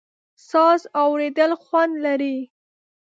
ساز اورېدل خوند لري.